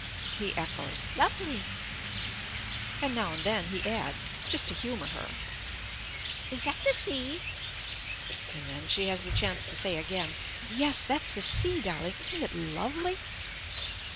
he echoes, "Lovely," and now and then he adds (just to humour her), "Is 'at the sea?" and then she has the chance to say again, "Yes, that's the sea, darling. Isn't it lovely?"